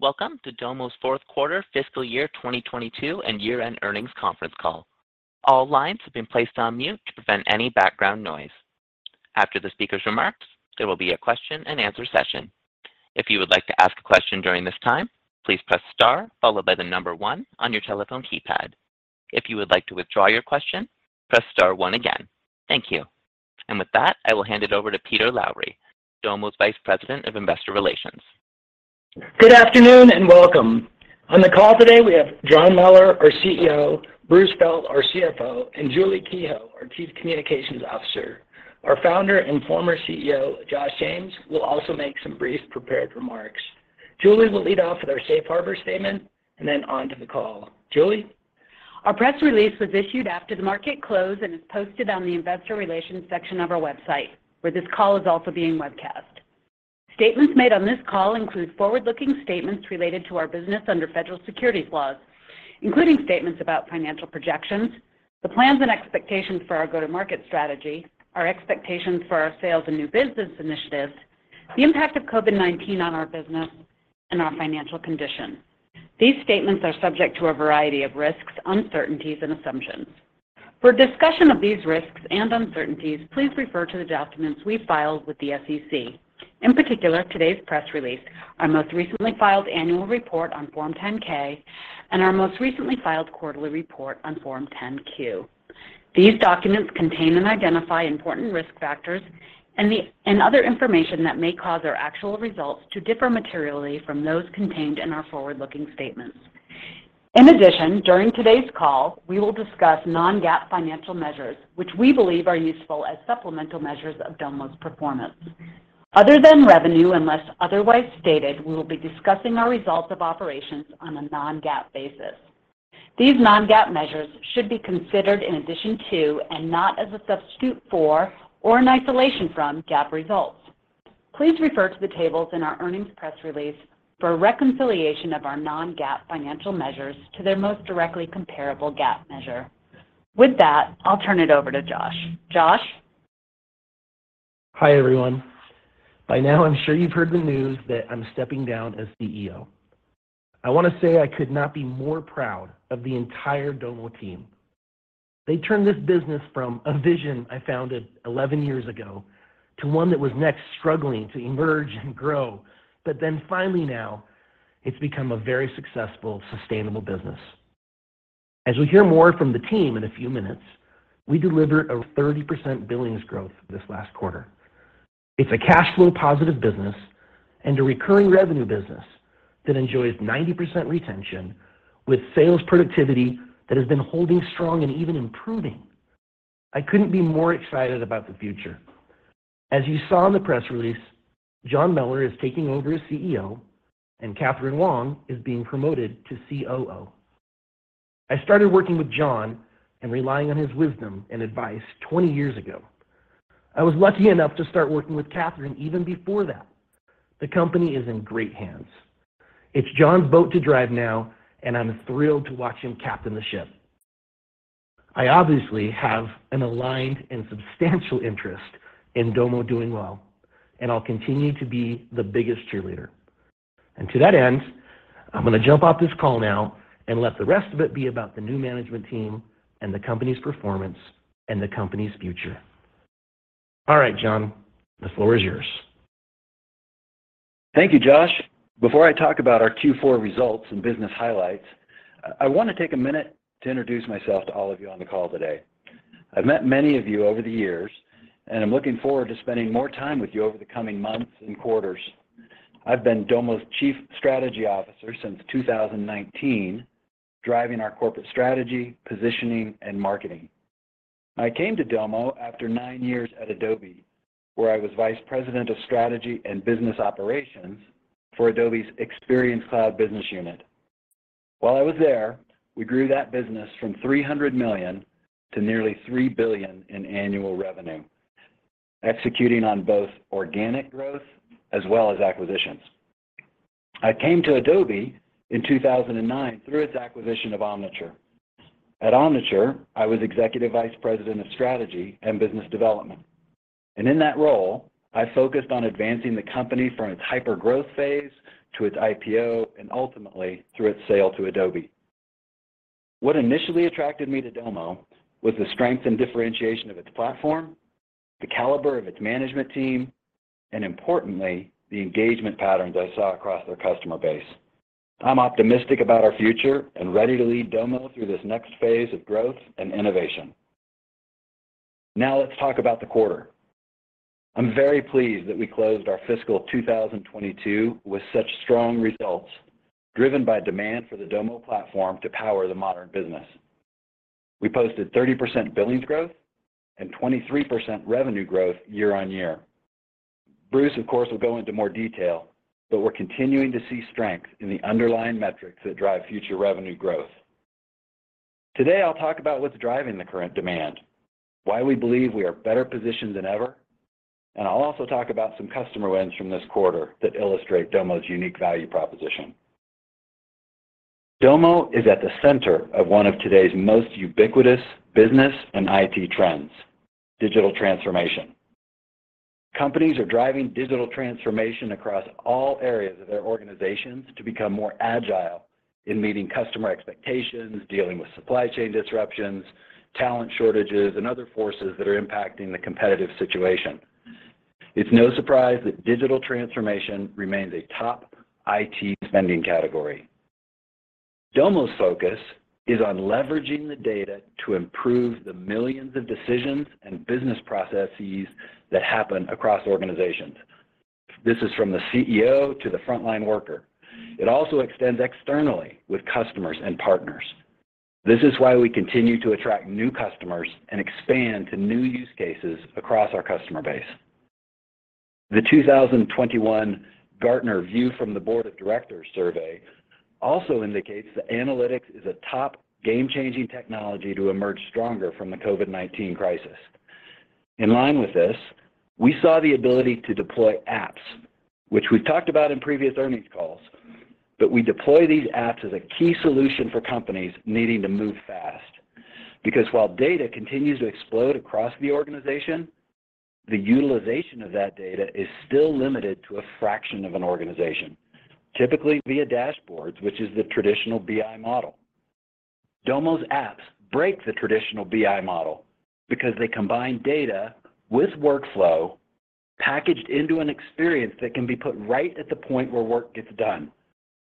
Welcome to Domo's fourth quarter fiscal year 2022 and year-end earnings conference call. All lines have been placed on mute to prevent any background noise. After the speaker's remarks, there will be a question and answer session. If you would like to ask a question during this time, please press star followed by the number one on your telephone keypad. If you would like to withdraw your question, press star one again. Thank you. With that, I will hand it over to Peter Lowry, Domo's Vice President of Investor Relations. Good afternoon and welcome. On the call today, we have John Mellor, our CEO, Bruce Felt, our CFO, and Julie Kehoe, our Chief Communications Officer. Our founder and former CEO, Josh James, will also make some brief prepared remarks. Julie will lead off with our safe harbor statement and then on to the call. Julie? Our press release was issued after the market closed, and is posted on the investor relations section of our website, where this call is also being webcast. Statements made on this call include forward-looking statements related to our business under federal securities laws, including statements about financial projections, the plans and expectations for our go-to-market strategy, our expectations for our sales and new business initiatives, the impact of COVID-19 on our business, and our financial condition. These statements are subject to a variety of risks, uncertainties, and assumptions. For discussion of these risks and uncertainties, please refer to the documents we filed with the SEC, in particular, today's press release, our most recently filed annual report on Form 10-K, and our most recently filed quarterly report on Form 10-Q. These documents contain and identify important risk factors and other information that may cause our actual results to differ materially from those contained in our forward-looking statements. In addition, during today's call, we will discuss non-GAAP financial measures, which we believe are useful as supplemental measures of Domo's performance. Other than revenue, unless otherwise stated, we will be discussing our results of operations on a non-GAAP basis. These non-GAAP measures should be considered in addition to, and not as a substitute for, or in isolation from GAAP results. Please refer to the tables in our earnings press release for a reconciliation of our non-GAAP financial measures to their most directly comparable GAAP measure. With that, I'll turn it over to Josh. Josh? Hi, everyone. By now, I'm sure you've heard the news that I'm stepping down as CEO. I want to say I could not be more proud of the entire Domo team. They turned this business from a vision I founded 11 years ago to one that was now struggling to emerge and grow. Finally now, it's become a very successful, sustainable business. As we hear more from the team in a few minutes, we delivered a 30% billings growth this last quarter. It's a cash flow positive business and a recurring revenue business that enjoys 90% retention with sales productivity that has been holding strong and even improving. I couldn't be more excited about the future. As you saw in the press release, John Mellor is taking over as CEO, and Catherine Wong is being promoted to COO. I started working with John and relying on his wisdom and advice 20 years ago. I was lucky enough to start working with Catherine even before that. The company is in great hands. It's John's boat to drive now, and I'm thrilled to watch him captain the ship. I obviously have an aligned and substantial interest in Domo doing well, and I'll continue to be the biggest cheerleader. To that end, I'm going to jump off this call now and let the rest of it be about the new management team and the company's performance and the company's future. All right, John, the floor is yours. Thank you, Josh. Before I talk about our Q4 results and business highlights, I want to take a minute to introduce myself to all of you on the call today. I've met many of you over the years, and I'm looking forward to spending more time with you over the coming months and quarters. I've been Domo's Chief Strategy Officer since 2019, driving our corporate strategy, positioning, and marketing. I came to Domo after nine years at Adobe, where I was Vice President of Strategy and Business Operations for Adobe's Experience Cloud business unit. While I was there, we grew that business from $300 million to nearly $3 billion in annual revenue, executing on both organic growth as well as acquisitions. I came to Adobe in 2009 through its acquisition of Omniture. At Omniture, I was Executive Vice President of Strategy and Business Development. In that role, I focused on advancing the company from its hyper-growth phase to its IPO, and ultimately through its sale to Adobe. What initially attracted me to Domo was the strength and differentiation of its platform, the caliber of its management team, and importantly, the engagement patterns I saw across their customer base. I'm optimistic about our future and ready to lead Domo through this next phase of growth and innovation. Now let's talk about the quarter. I'm very pleased that we closed our fiscal 2022 with such strong results, driven by demand for the Domo platform to power the modern business. We posted 30% billings growth and 23% revenue growth year-on-year. Bruce, of course, will go into more detail, but we're continuing to see strength in the underlying metrics that drive future revenue growth. Today, I'll talk about what's driving the current demand, why we believe we are better positioned than ever, and I'll also talk about some customer wins from this quarter that illustrate Domo's unique value proposition. Domo is at the center of one of today's most ubiquitous business and IT trends, digital transformation. Companies are driving digital transformation across all areas of their organizations to become more agile in meeting customer expectations, dealing with supply chain disruptions, talent shortages, and other forces that are impacting the competitive situation. It's no surprise that digital transformation remains a top IT spending category. Domo's focus is on leveraging the data to improve the millions of decisions and business processes that happen across organizations. This is from the CEO to the frontline worker. It also extends externally with customers and partners. This is why we continue to attract new customers and expand to new use cases across our customer base. The 2021 Gartner View from the Board of Directors survey also indicates that analytics is a top game-changing technology to emerge stronger from the COVID-19 crisis. In line with this, we saw the ability to deploy apps, which we've talked about in previous earnings calls, but we deploy these apps as a key solution for companies needing to move fast. Because while data continues to explode across the organization, the utilization of that data is still limited to a fraction of an organization, typically via dashboards, which is the traditional BI model. Domo's apps break the traditional BI model because they combine data with workflow packaged into an experience that can be put right at the point where work gets done,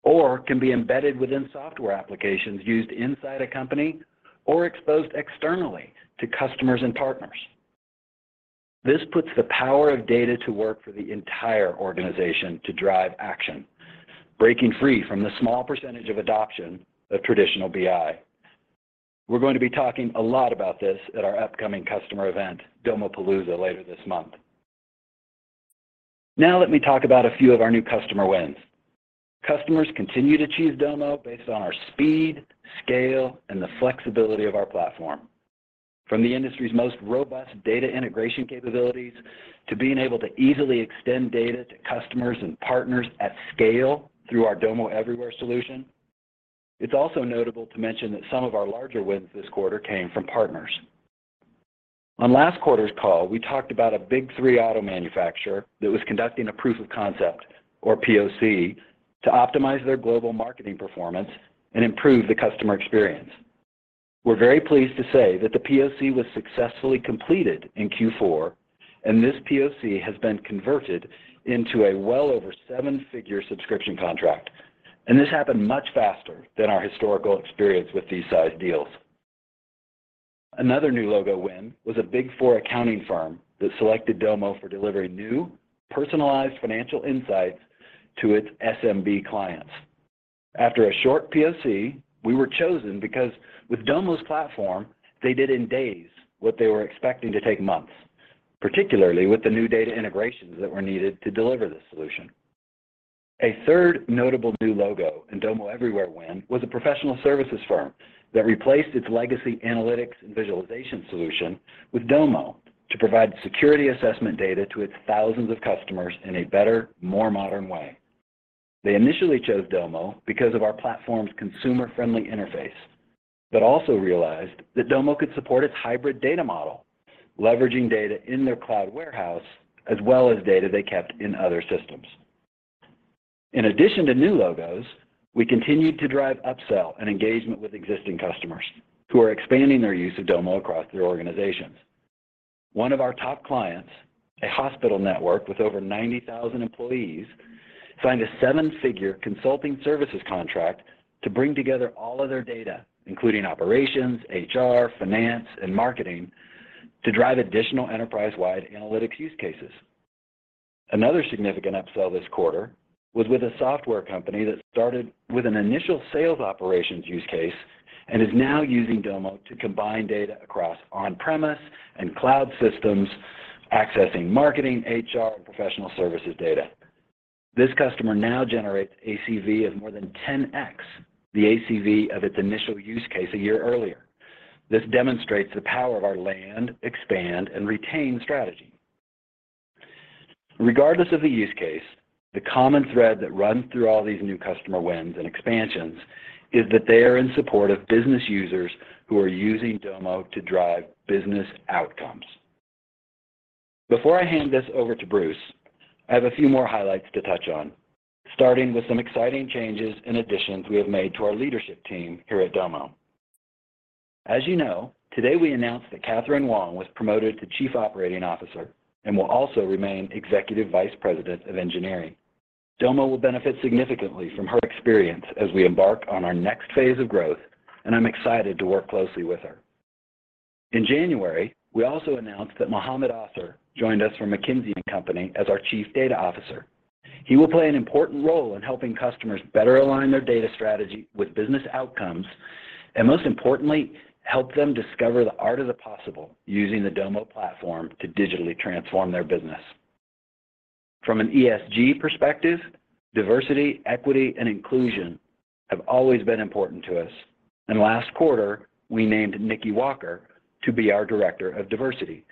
or can be embedded within software applications used inside a company or exposed externally to customers and partners. This puts the power of data to work for the entire organization to drive action, breaking free from the small percentage of adoption of traditional BI. We're going to be talking a lot about this at our upcoming customer event, Domopalooza, later this month. Now let me talk about a few of our new customer wins. Customers continue to choose Domo based on our speed, scale, and the flexibility of our platform, from the industry's most robust data integration capabilities to being able to easily extend data to customers and partners at scale through our Domo Everywhere solution. It's also notable to mention that some of our larger wins this quarter came from partners. On last quarter's call, we talked about a Big Three auto manufacturer that was conducting a proof of concept, or POC, to optimize their global marketing performance and improve the customer experience. We're very pleased to say that the POC was successfully completed in Q4, and this POC has been converted into a well over seven-figure subscription contract. This happened much faster than our historical experience with these size deals. Another new logo win was a Big Four accounting firm that selected Domo for delivering new, personalized financial insights to its SMB clients. After a short POC, we were chosen because with Domo's platform, they did in days what they were expecting to take months, particularly with the new data integrations that were needed to deliver this solution. A third notable new logo and Domo Everywhere win was a professional services firm that replaced its legacy analytics and visualization solution with Domo to provide security assessment data to its thousands of customers in a better, more modern way. They initially chose Domo because of our platform's consumer-friendly interface, but also realized that Domo could support its hybrid data model, leveraging data in their cloud warehouse, as well as data they kept in other systems. In addition to new logos, we continued to drive upsell and engagement with existing customers who are expanding their use of Domo across their organizations. One of our top clients, a hospital network with over 90,000 employees, signed a seven-figure consulting services contract to bring together all of their data, including operations, HR, finance, and marketing, to drive additional enterprise-wide analytics use cases. Another significant upsell this quarter was with a software company that started with an initial sales operations use case and is now using Domo to combine data across on-premise and cloud systems, accessing marketing, HR, and professional services data. This customer now generates ACV of more than 10x the ACV of its initial use case a year earlier. This demonstrates the power of our land, expand, and retain strategy. Regardless of the use case, the common thread that runs through all these new customer wins and expansions is that they are in support of business users who are using Domo to drive business outcomes. Before I hand this over to Bruce, I have a few more highlights to touch on, starting with some exciting changes and additions we have made to our leadership team here at Domo. As you know, today we announced that Catherine Wong was promoted to Chief Operating Officer and will also remain Executive Vice President of Engineering. Domo will benefit significantly from her experience as we embark on our next phase of growth, and I'm excited to work closely with her. In January, we also announced that Mohammed Aaser joined us from McKinsey & Company as our Chief Data Officer. He will play an important role in helping customers better align their data strategy with business outcomes, and most importantly, help them discover the art of the possible using the Domo platform to digitally transform their business. From an ESG perspective, diversity, equity, and inclusion have always been important to us, and last quarter, we named Nikki Walker to be our Director of Diversity.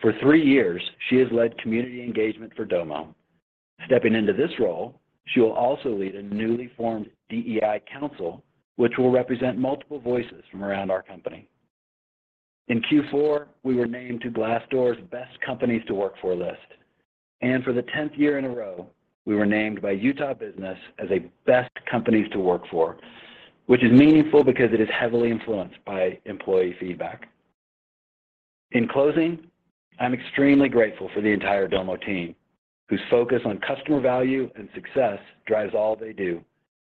For three years, she has led community engagement for Domo. Stepping into this role, she will also lead a newly formed DEI council, which will represent multiple voices from around our company. In Q4, we were named to Glassdoor's Best Companies to Work For list. For the tenth year in a row, we were named by Utah Business as a Best Companies to Work For, which is meaningful because it is heavily influenced by employee feedback. In closing, I'm extremely grateful for the entire Domo team, whose focus on customer value and success drives all they do.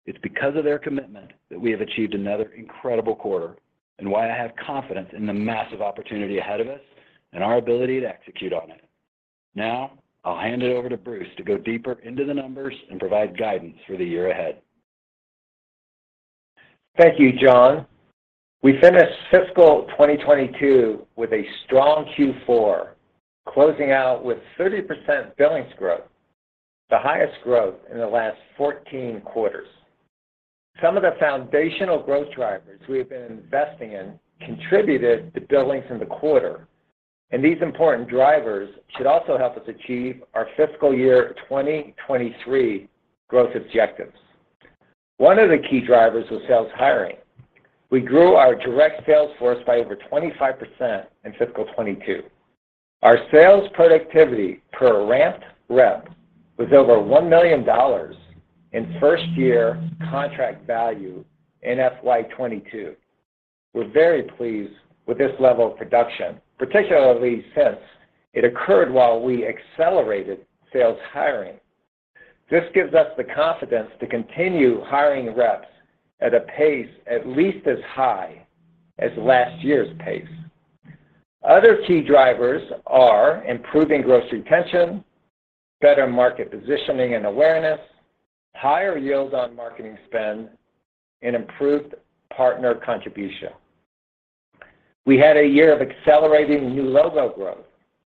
It's because of their commitment that we have achieved another incredible quarter and why I have confidence in the massive opportunity ahead of us and our ability to execute on it. Now, I'll hand it over to Bruce to go deeper into the numbers and provide guidance for the year ahead. Thank you, John. We finished fiscal 2022 with a strong Q4, closing out with 30% billings growth, the highest growth in the last 14 quarters. Some of the foundational growth drivers we have been investing in contributed to billings in the quarter, and these important drivers should also help us achieve our fiscal year 2023 growth objectives. One of the key drivers was sales hiring. We grew our direct sales force by over 25% in fiscal 2022. Our sales productivity per ramped rep was over $1 million in first year contract value in FY 2022. We're very pleased with this level of production, particularly since it occurred while we accelerated sales hiring. This gives us the confidence to continue hiring reps at a pace at least as high as last year's pace. Other key drivers are improving gross retention, better market positioning and awareness, higher yield on marketing spend, and improved partner contribution. We had a year of accelerating new logo growth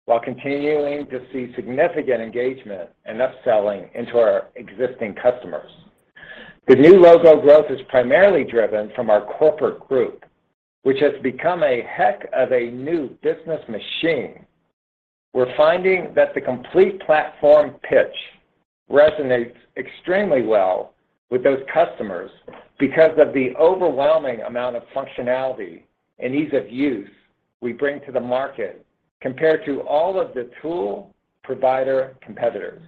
while continuing to see significant engagement and upselling into our existing customers. The new logo growth is primarily driven from our corporate group, which has become a heck of a new business machine. We're finding that the complete platform pitch resonates extremely well with those customers because of the overwhelming amount of functionality and ease of use we bring to the market compared to all of the tool provider competitors.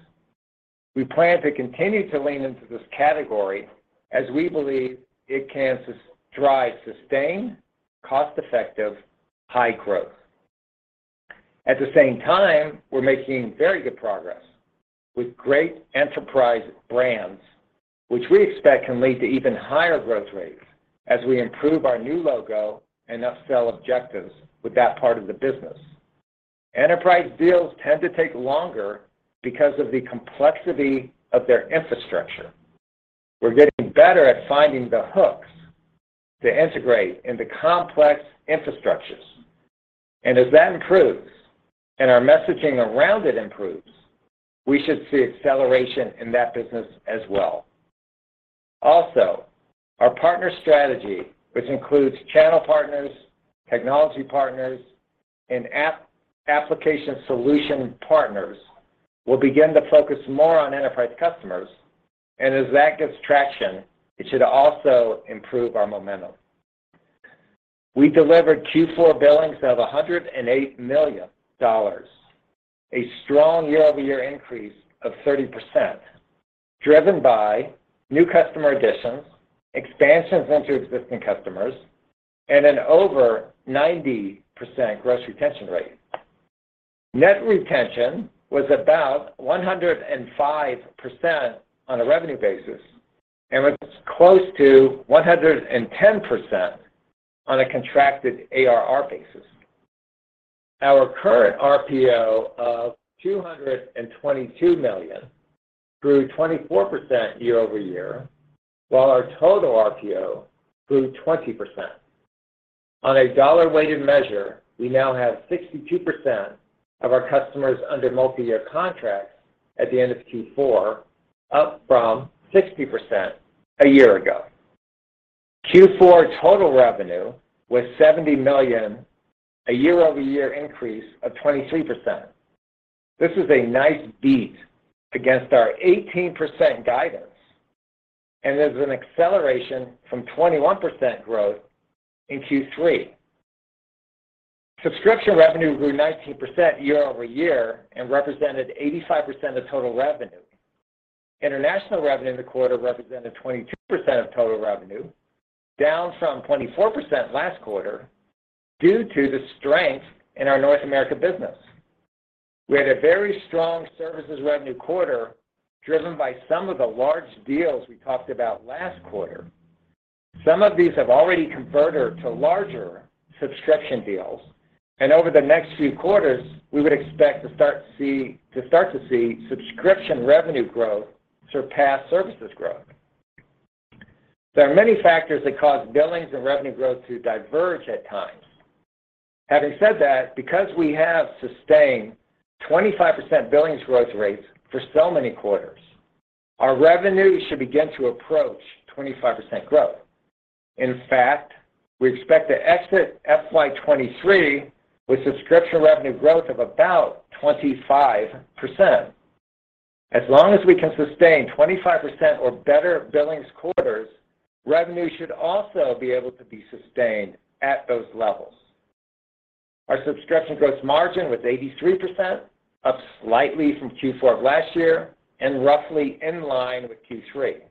We plan to continue to lean into this category as we believe it can super-drive sustained, cost-effective, high growth. At the same time, we're making very good progress with great enterprise brands, which we expect can lead to even higher growth rates as we improve our new logo and upsell objectives with that part of the business. Enterprise deals tend to take longer because of the complexity of their infrastructure. We're getting better at finding the hooks to integrate into complex infrastructures. As that improves and our messaging around it improves, we should see acceleration in that business as well. Also, our partner strategy, which includes channel partners, technology partners, and application solution partners, will begin to focus more on enterprise customers. As that gets traction, it should also improve our momentum. We delivered Q4 billings of $108 million, a strong year-over-year increase of 30%, driven by new customer additions, expansions into existing customers, and an over 90% gross retention rate. Net retention was about 105% on a revenue basis and was close to 110% on a contracted ARR basis. Our current RPO of $222 million grew 24% year over year, while our total RPO grew 20%. On a dollar-weighted measure, we now have 62% of our customers under multiyear contracts at the end of Q4, up from 60% a year ago. Q4 total revenue was $70 million, a year-over-year increase of 23%. This is a nice beat against our 18% guidance and is an acceleration from 21% growth in Q3. Subscription revenue grew 19% year-over-year and represented 85% of total revenue. International revenue in the quarter represented 22% of total revenue, down from 24% last quarter due to the strength in our North America business. We had a very strong services revenue quarter driven by some of the large deals we talked about last quarter. Some of these have already converted to larger subscription deals, and over the next few quarters, we would expect to start to see subscription revenue growth surpass services growth. There are many factors that cause billings and revenue growth to diverge at times. Having said that, because we have sustained 25% billings growth rates for so many quarters, our revenue should begin to approach 25% growth. In fact, we expect to exit FY 2023 with subscription revenue growth of about 25%. As long as we can sustain 25% or better billings quarters, revenue should also be able to be sustained at those levels. Our subscription gross margin was 83%, up slightly from Q4 of last year and roughly in line with Q3.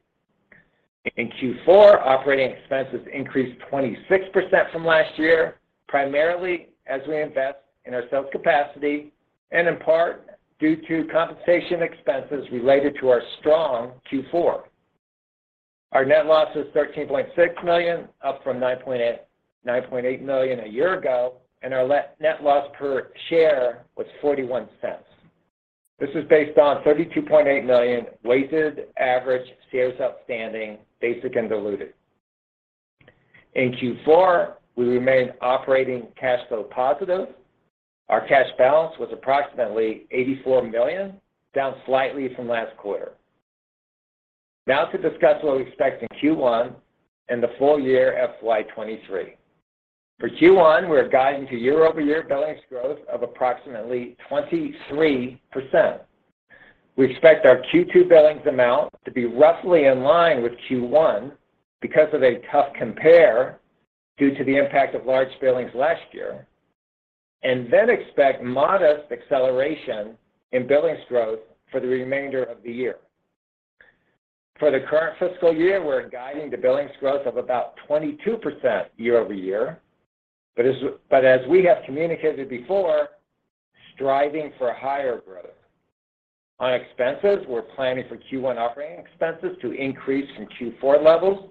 In Q4, operating expenses increased 26% from last year, primarily as we invest in our sales capacity and in part due to compensation expenses related to our strong Q4. Our net loss was $13.6 million, up from $9.8 million a year ago, and our net loss per share was $0.41. This is based on 32.8 million weighted average shares outstanding, basic and diluted. In Q4, we remained operating cash flow positive. Our cash balance was approximately $84 million, down slightly from last quarter. Now to discuss what we expect in Q1 and the full year FY 2023. For Q1, we're guiding to year-over-year billings growth of approximately 23%. We expect our Q2 billings amount to be roughly in line with Q1 because of a tough compare due to the impact of large billings last year, and then expect modest acceleration in billings growth for the remainder of the year. For the current fiscal year, we're guiding to billings growth of about 22% year over year, as we have communicated before, striving for higher growth. On expenses, we're planning for Q1 operating expenses to increase from Q4 levels,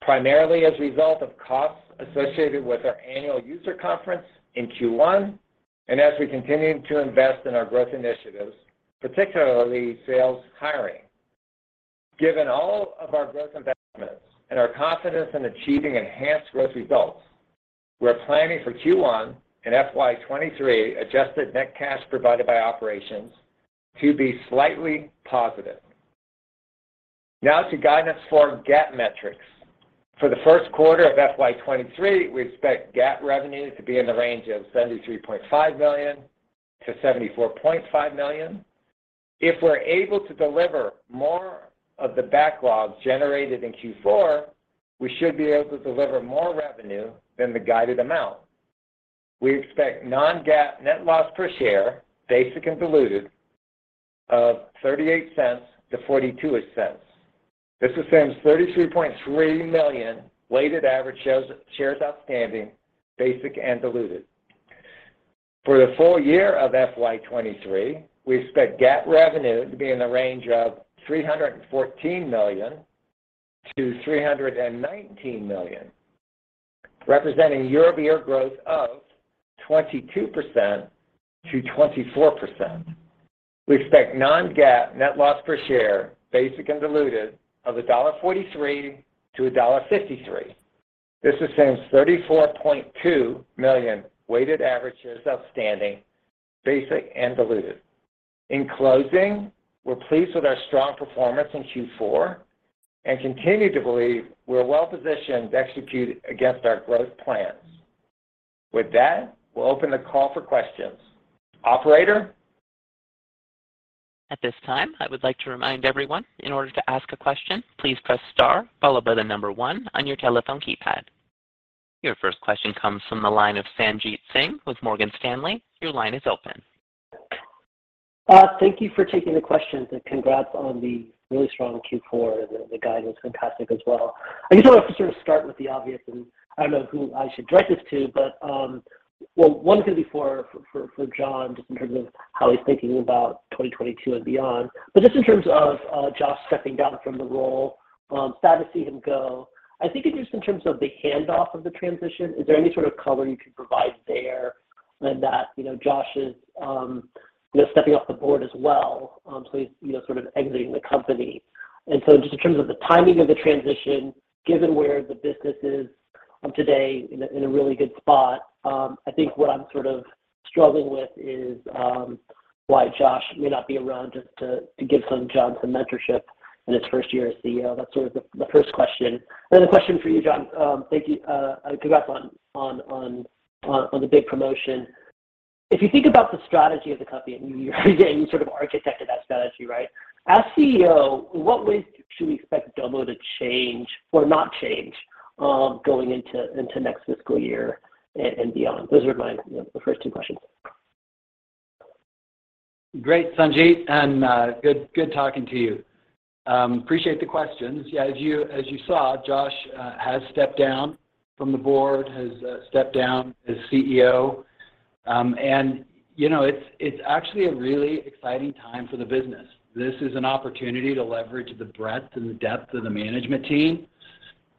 primarily as a result of costs associated with our annual user conference in Q1 and as we continue to invest in our growth initiatives, particularly sales hiring. Given all of our growth investments and our confidence in achieving enhanced growth results, we're planning for Q1 and FY 2023 adjusted net cash provided by operations to be slightly positive. Now to guidance for GAAP metrics. For the first quarter of FY 2023, we expect GAAP revenue to be in the range of $73.5 million-$74.5 million. If we're able to deliver more of the backlogs generated in Q4, we should be able to deliver more revenue than the guided amount. We expect non-GAAP net loss per share, basic and diluted of $0.38-$0.42. This assumes 33.3 million weighted average shares outstanding, basic and diluted. For the full year of FY 2023, we expect GAAP revenue to be in the range of $314 million-$319 million, representing year-over-year growth of 22%-24%. We expect non-GAAP net loss per share, basic and diluted of $1.43-$1.53. This assumes 34.2 million weighted average shares outstanding, basic and diluted. In closing, we're pleased with our strong performance in Q4 and continue to believe we're well positioned to execute against our growth plans. With that, we'll open the call for questions. Operator? At this time, I would like to remind everyone in order to ask a question, please press star followed by the number 1 on your telephone keypad. Your first question comes from the line of Sanjit Singh with Morgan Stanley. Your line is open. Thank you for taking the questions, and congrats on the really strong Q4. The guide was fantastic as well. I usually like to sort of start with the obvious, and I don't know who I should direct this to, but well, one's gonna be for John, just in terms of how he's thinking about 2022 and beyond. Just in terms of Josh stepping down from the role, sad to see him go. I think just in terms of the handoff of the transition, is there any sort of color you can provide there? That, you know, Josh is, you know, stepping off the board as well, so he's, you know, sort of exiting the company. Just in terms of the timing of the transition, given where the business is today in a really good spot, I think what I'm sort of struggling with is why Josh may not be around just to give John some mentorship in his first year as CEO. That's sort of the first question. Then the question for you, John. Thank you, congrats on the big promotion. If you think about the strategy of the company, and you sort of architected that strategy, right? As CEO, what ways should we expect Domo to change or not change going into next fiscal year and beyond? Those are my, you know, the first two questions. Great, Sanjit, and good talking to you. Appreciate the questions. Yeah, as you saw, Josh has stepped down from the board, has stepped down as CEO. You know, it's actually a really exciting time for the business. This is an opportunity to leverage the breadth and the depth of the management team.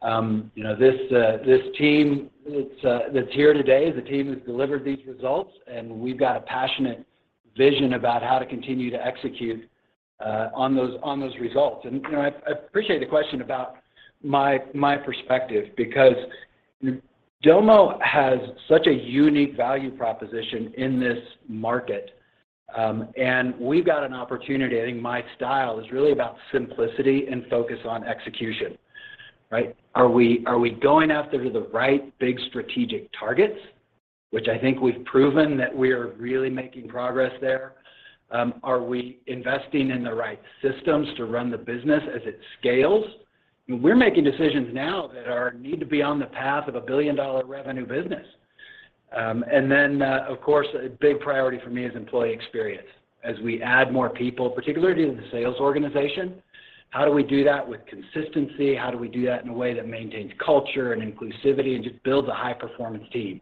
You know, this team that's here today has delivered these results, and we've got a passionate vision about how to continue to execute on those results. You know, I appreciate the question about my perspective because Domo has such a unique value proposition in this market. We've got an opportunity. I think my style is really about simplicity and focus on execution, right? Are we going after the right big strategic targets? Which I think we've proven that we are really making progress there. Are we investing in the right systems to run the business as it scales? We're making decisions now that need to be on the path of a billion-dollar revenue business. Of course, a big priority for me is employee experience. As we add more people, particularly to the sales organization, how do we do that with consistency? How do we do that in a way that maintains culture and inclusivity and just builds a high-performance team?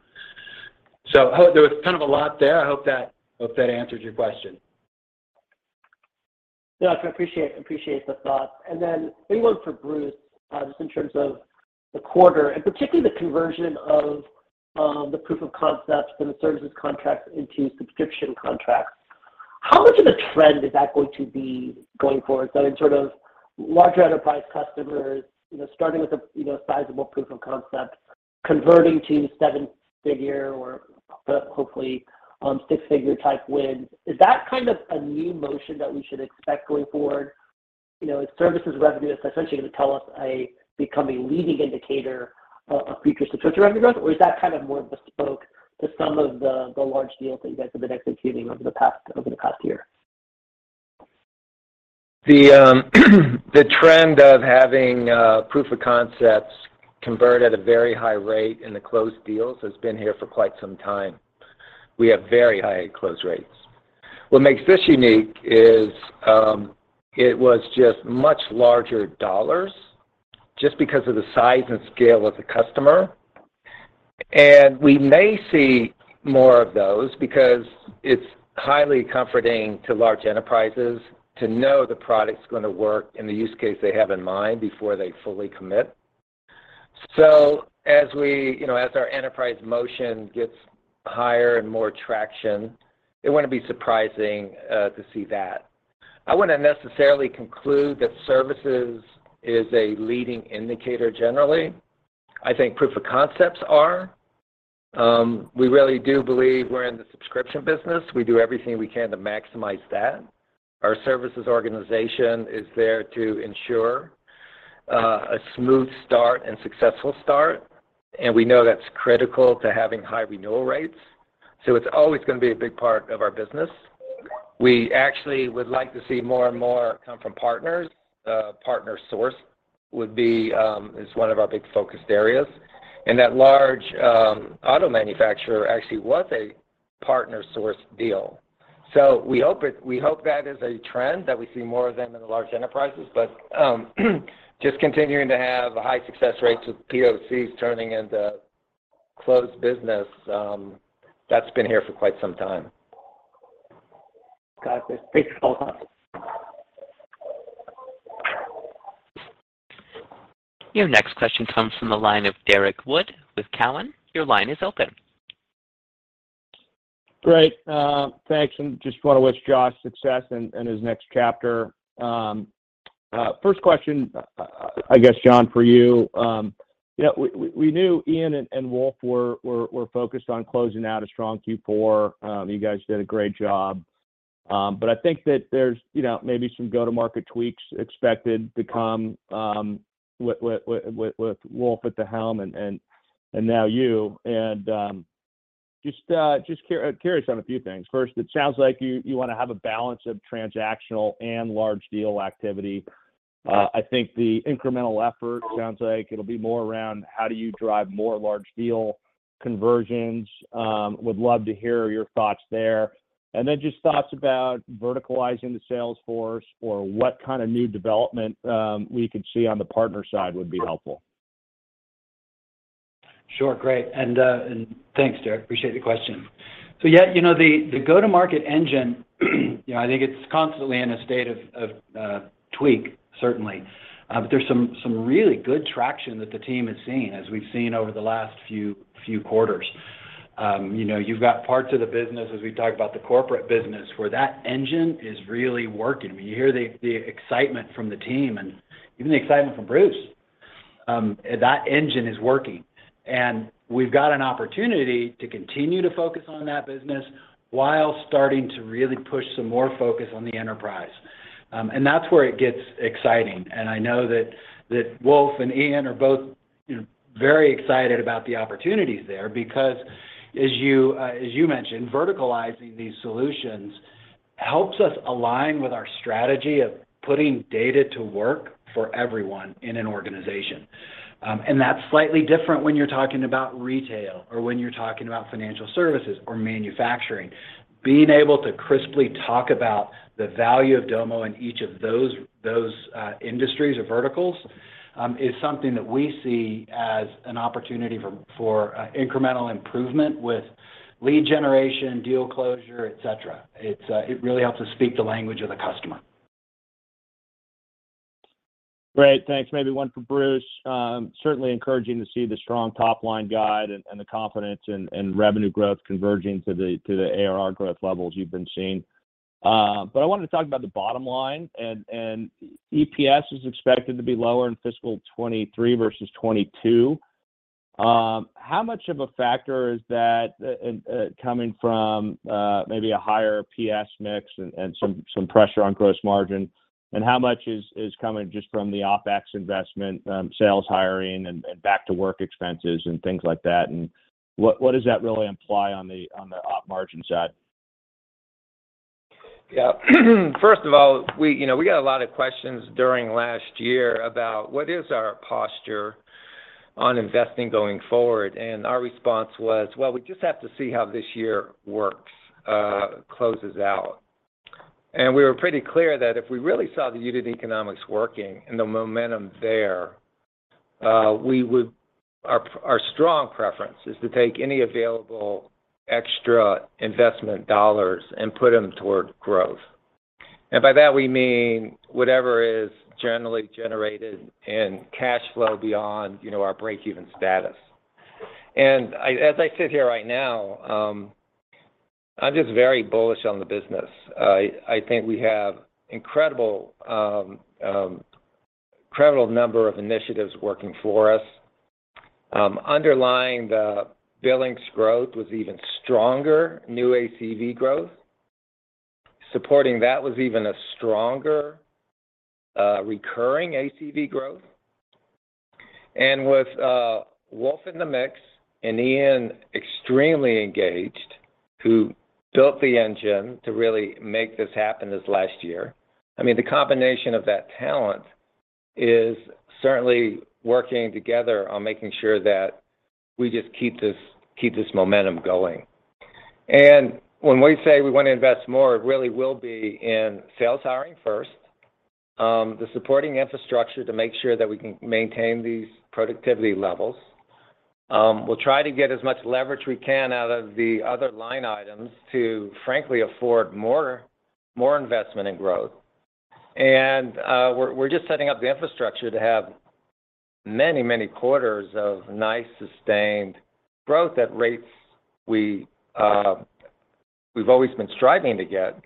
There was kind of a lot there. I hope that answers your question. Yeah. I appreciate the thought. Maybe one for Bruce, just in terms of the quarter, and particularly the conversion of the proof of concept for the services contract into subscription contracts. How much of a trend is that going to be going forward? In sort of larger enterprise customers, you know, starting with a you know sizable proof of concept, converting to seven-figure or hopefully six-figure type wins, is that kind of a new motion that we should expect going forward? You know, is services revenue essentially gonna tell us become a leading indicator of future subscription revenue growth, or is that kind of more bespoke to some of the large deals that you guys have been executing over the past year? The trend of having proof of concepts convert at a very high rate in the closed deals has been here for quite some time. We have very high close rates. What makes this unique is it was just much larger dollars just because of the size and scale of the customer. We may see more of those because it's highly comforting to large enterprises to know the product's gonna work in the use case they have in mind before they fully commit. You know, as our enterprise motion gets higher and more traction, it wouldn't be surprising to see that. I wouldn't necessarily conclude that services is a leading indicator generally. I think proof of concepts are. We really do believe we're in the subscription business. We do everything we can to maximize that. Our services organization is there to ensure a smooth start and successful start, and we know that's critical to having high renewal rates. It's always gonna be a big part of our business. We actually would like to see more and more come from partners. Partner source is one of our big focused areas. That large auto manufacturer actually was a partner source deal. We hope that is a trend, that we see more of them in the large enterprises. Just continuing to have high success rates with POCs turning into closed business, that's been here for quite some time. Got it. Thanks a lot. Your next question comes from the line of Derrick Wood with Cowen. Your line is open. Great. Thanks, and just wanna wish Josh success in his next chapter. First question, I guess, John, for you. You know, we knew Ian and Wolf were focused on closing out a strong Q4. You guys did a great job. But I think that there's, you know, maybe some go-to-market tweaks expected to come with Wolf at the helm and now you. Just curious on a few things. First, it sounds like you wanna have a balance of transactional and large deal activity. I think the incremental effort sounds like it'll be more around how do you drive more large deal conversions. Would love to hear your thoughts there. Just thoughts about verticalizing the sales force or what kind of new development we could see on the partner side would be helpful. Sure. Great. Thanks, Derek. Appreciate the question. Yeah, you know, the go-to-market engine, you know, I think it's constantly in a state of tweak certainly. There's some really good traction that the team has seen, as we've seen over the last few quarters. You know, you've got parts of the business, as we've talked about, the corporate business, where that engine is really working. You hear the excitement from the team and even the excitement from Bruce. That engine is working, and we've got an opportunity to continue to focus on that business while starting to really push some more focus on the enterprise. That's where it gets exciting, and I know that Wolf and Ian are both, you know, very excited about the opportunities there because as you mentioned, verticalizing these solutions helps us align with our strategy of putting data to work for everyone in an organization. That's slightly different when you're talking about retail or when you're talking about financial services or manufacturing. Being able to crisply talk about the value of Domo in each of those industries or verticals is something that we see as an opportunity for incremental improvement with lead generation, deal closure, et cetera. It really helps us speak the language of the customer. Great. Thanks. Maybe one for Bruce. Certainly encouraging to see the strong top-line guide and the confidence in revenue growth converging to the ARR growth levels you've been seeing. But I wanted to talk about the bottom line. EPS is expected to be lower in fiscal 2023 versus 2022. How much of a factor is that coming from maybe a higher PS mix and some pressure on gross margin? How much is coming just from the OpEx investment, sales hiring and back to work expenses and things like that? What does that really imply on the op margins side? Yeah. First of all, we, you know, we got a lot of questions during last year about what is our posture on investing going forward. Our response was, well, we just have to see how this year works, closes out. We were pretty clear that if we really saw the unit economics working and the momentum there, our strong preference is to take any available extra investment dollars and put them toward growth. By that we mean whatever is generally generated in cash flow beyond, you know, our break-even status. As I sit here right now, I'm just very bullish on the business. I think we have incredible number of initiatives working for us. Underlying the billings growth was even stronger new ACV growth. Supporting that was even a stronger recurring ACV growth. With Wolf in the mix, and Ian extremely engaged, who built the engine to really make this happen this last year. I mean, the combination of that talent is certainly working together on making sure that we just keep this momentum going. When we say we want to invest more, it really will be in sales hiring first, the supporting infrastructure to make sure that we can maintain these productivity levels. We'll try to get as much leverage we can out of the other line items to frankly afford more investment in growth. We're just setting up the infrastructure to have many quarters of nice, sustained growth at rates we've always been striving to get.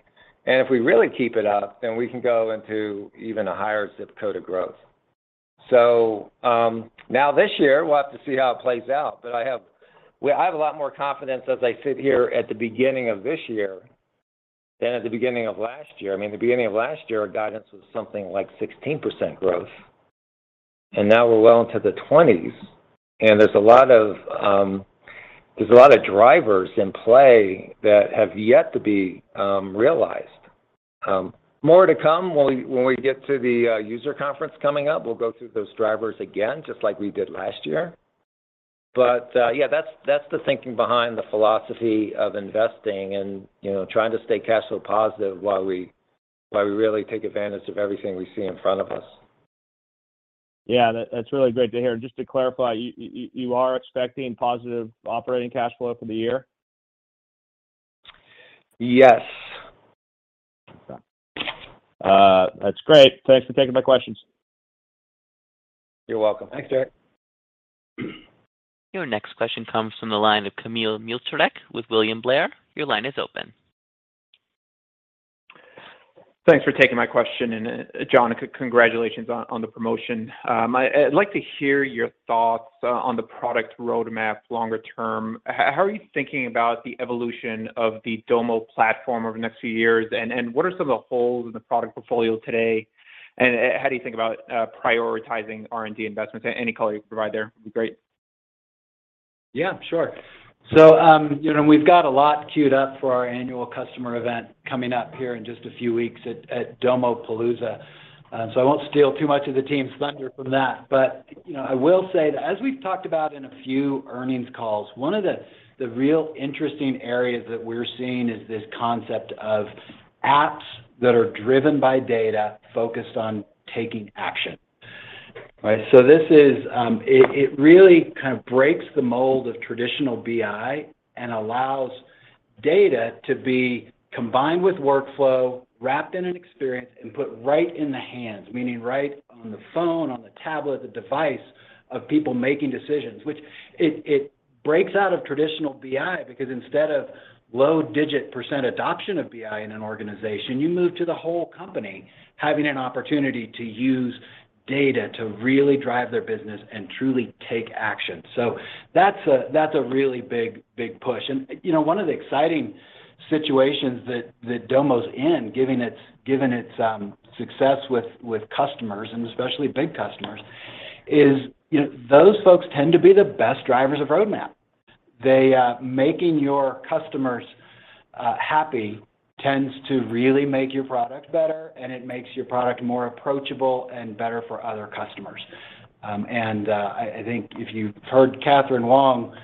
If we really keep it up, then we can go into even a higher zip code of growth. Now this year, we'll have to see how it plays out, but I have a lot more confidence as I sit here at the beginning of this year than at the beginning of last year. I mean, the beginning of last year, our guidance was something like 16% growth, and now we're well into the 20s. There's a lot of drivers in play that have yet to be realized. More to come when we get to the user conference coming up. We'll go through those drivers again, just like we did last year. Yeah, that's the thinking behind the philosophy of investing and, you know, trying to stay cash flow positive while we really take advantage of everything we see in front of us. Yeah. That's really great to hear. Just to clarify, you are expecting positive operating cash flow for the year? Yes. Okay. That's great. Thanks for taking my questions. You're welcome. Thanks, Derrick. Your next question comes from the line of Kamil Mielczarek with William Blair. Your line is open. Thanks for taking my question. John, congratulations on the promotion. I'd like to hear your thoughts on the product roadmap longer term. How are you thinking about the evolution of the Domo platform over the next few years? And what are some of the holes in the product portfolio today? And how do you think about prioritizing R&D investments? Any color you can provide there would be great. Yeah, sure. You know, we've got a lot queued up for our annual customer event coming up here in just a few weeks at Domopalooza. I won't steal too much of the team's thunder from that. You know, I will say that as we've talked about in a few earnings calls, one of the real interesting areas that we're seeing is this concept of apps that are driven by data focused on taking action. Right? This is it really kind of breaks the mold of traditional BI and allows data to be combined with workflow, wrapped in an experience, and put right in the hands, meaning right on the phone, on the tablet, the device of people making decisions, which it breaks out of traditional BI because instead of low single-digit% adoption of BI in an organization, you move to the whole company having an opportunity to use data to really drive their business and truly take action. That's a really big push. You know, one of the exciting situations that Domo's in, given its success with customers, and especially big customers, is, you know, those folks tend to be the best drivers of roadmap. Making your customers happy tends to really make your product better, and it makes your product more approachable and better for other customers. I think if you've heard Catherine Wong,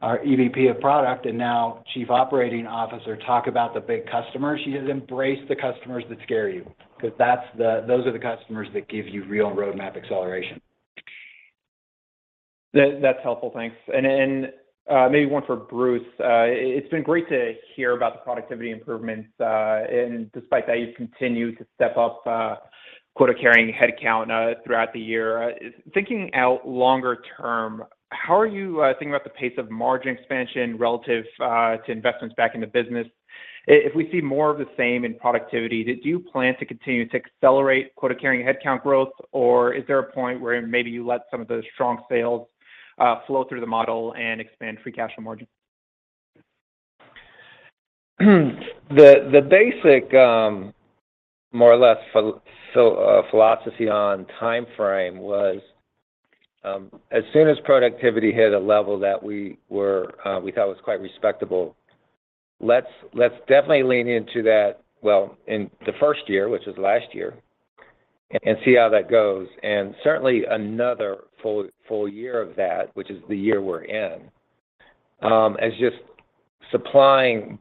our EVP of product and now Chief Operating Officer, talk about the big customers, she has embraced the customers that scare you, because those are the customers that give you real roadmap acceleration. That's helpful. Thanks. Then, maybe one for Bruce. It's been great to hear about the productivity improvements, and despite that, you've continued to step up quota-carrying headcount throughout the year. Thinking out longer term, how are you thinking about the pace of margin expansion relative to investments back in the business? If we see more of the same in productivity, did you plan to continue to accelerate quota-carrying headcount growth? Or is there a point where maybe you let some of those strong sales flow through the model and expand free cash flow margin? The basic, more or less philosophy on timeframe was, as soon as productivity hit a level that we thought was quite respectable, let's definitely lean into that, well, in the first year, which was last year, and see how that goes. Certainly another full year of that, which is the year we're in, as just supplying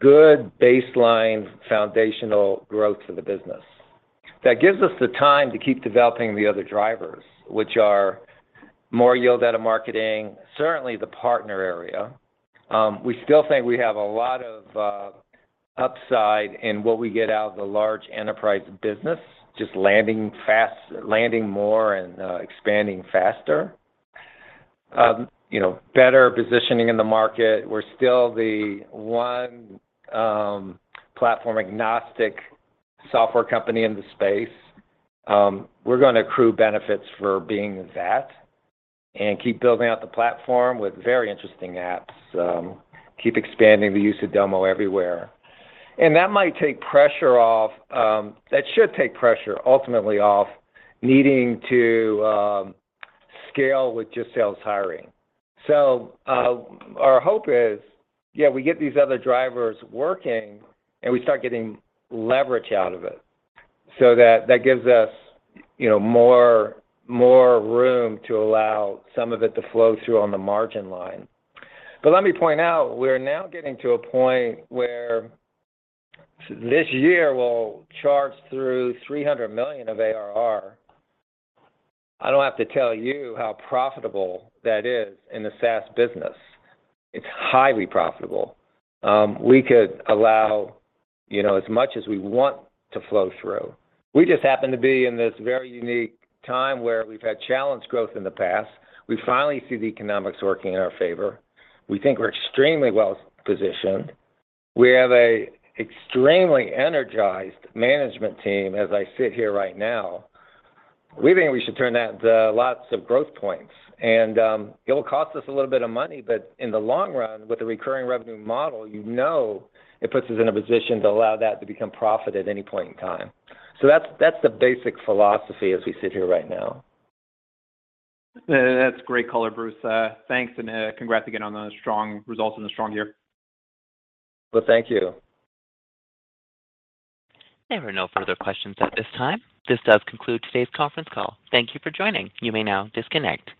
good baseline foundational growth to the business. That gives us the time to keep developing the other drivers, which are more yield out of marketing, certainly the partner area. We still think we have a lot of upside in what we get out of the large enterprise business, just landing more and expanding faster. You know, better positioning in the market. We're still the one platform-agnostic software company in the space. We're gonna accrue benefits for being that and keep building out the platform with very interesting apps, keep expanding the use of Domo Everywhere. That might take pressure off. That should take pressure ultimately off needing to scale with just sales hiring. Our hope is, yeah, we get these other drivers working, and we start getting leverage out of it so that that gives us, you know, more room to allow some of it to flow through on the margin line. Let me point out, we're now getting to a point where this year we'll charge through $300 million of ARR. I don't have to tell you how profitable that is in the SaaS business. It's highly profitable. We could allow, you know, as much as we want to flow through. We just happen to be in this very unique time where we've had challenged growth in the past. We finally see the economics working in our favor. We think we're extremely well-positioned. We have a extremely energized management team as I sit here right now. We think we should turn that into lots of growth points. It'll cost us a little bit of money, but in the long run, with the recurring revenue model, you know it puts us in a position to allow that to become profit at any point in time. That's the basic philosophy as we sit here right now. That's great color, Bruce. Thanks, and, congrats again on the strong results and the strong year. Well, thank you. There are no further questions at this time. This does conclude today's conference call. Thank you for joining. You may now disconnect.